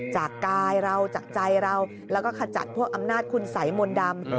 จากกายเราจากใจเราแล้วก็ขจัดพวกอำนาจคุณสัยมนต์ดำ